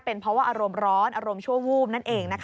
เป็นเพราะว่าอารมณ์ร้อนอารมณ์ชั่ววูบนั่นเอง